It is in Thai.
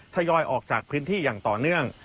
ยอยออกจากพื้นที่อย่างต่อเนื่อง